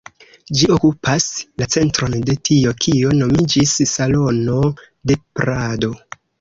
Ĝi okupas la centron de tio kio nomiĝis Salono de Prado.